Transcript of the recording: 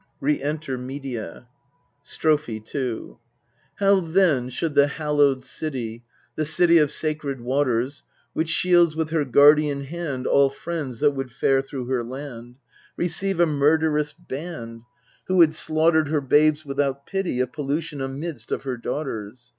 Re enter MEDEA. Strophe 2 How then should the hallowed city, The city of sacred waters, Which shields with her guardian hand All friends that would fare through her land, Receive a murderess banned, Who had slaughtered her babes without pity, A pollution amidst of her daughters